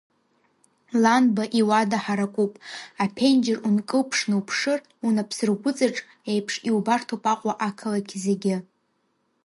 Ланба иуада ҳаракуп, аԥенџьыр ункылԥшны уԥшыр, унапсыргәҵаҿ еиԥш иубарҭоуп Аҟәа ақалақь зегьы.